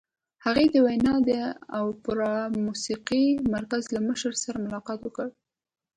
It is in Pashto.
هغې د ویانا د اوپرا موسیقۍ مرکز له مشر سره ملاقات وکړ